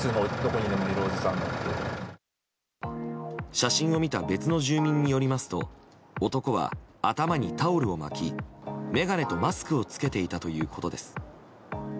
写真を見た別の住民によりますと男は頭にタオルを巻き眼鏡とマスクを着けていたということです。